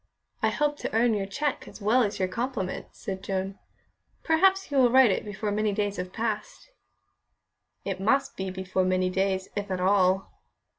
"I hope to earn your cheque as well as your compliment," said Joan. "Perhaps you will write it before many days have passed." "It must be before many days, if at all."